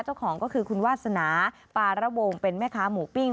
เจ้าของก็คือคุณวาสนาปาระวงเป็นแม่ค้าหมูปิ้ง